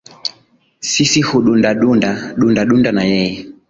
Sisi hudunda dunda, dunda dunda na yeye.